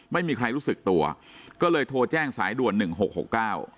ไม่มีใครรู้สึกตัวก็เลยโทรแจ้งสายด่วนหนึ่งหกหกเก้า